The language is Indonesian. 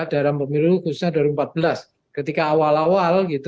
dalam pemilu khususnya dua ribu empat belas ketika awal awal gitu